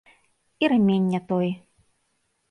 І рэмень не той.